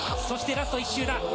そして、ラスト１周だ。